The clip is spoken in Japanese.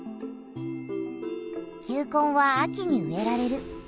球根は秋に植えられる。